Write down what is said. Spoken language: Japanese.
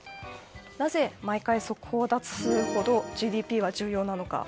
なぜ毎回、速報を出すほどＧＤＰは重要なのか。